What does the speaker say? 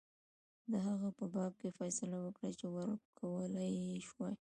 د هغه څه په باب یې فیصله وکړه چې ورکولای یې شوای.